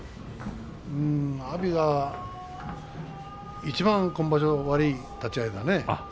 阿炎がいちばん、今場所悪い立ち合いだね。